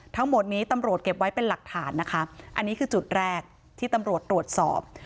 ทั้งหมดนี้ตำรวจเก็บไว้เป็นหลักฐานนะคะอันนี้คือจุดแรกที่ตำรวจตรวจสอบ